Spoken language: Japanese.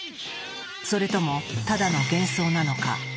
それともただの幻想なのか？